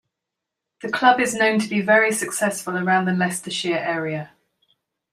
The club is known to be very successful around the Leicestershire area.